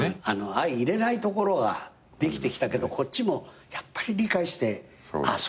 相いれないところができてきたけどこっちもやっぱり理解してあっそういうこと。